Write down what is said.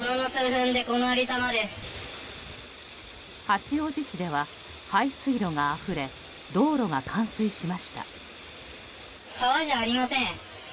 八王子市では、排水路があふれ道路が冠水しました。